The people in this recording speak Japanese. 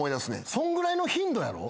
そんぐらいの頻度やろ？